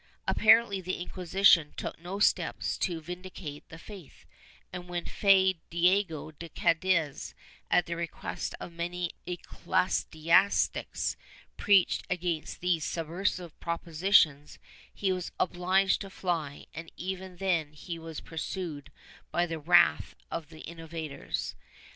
Apparently the Inquisition took no steps to vin dicate the faith, and when Fray Diego de Cadiz, at the request of many ecclesiastics, preached against these subversive propositions, he was obliged to fly and even then he was pursued by the wrath of the innovators.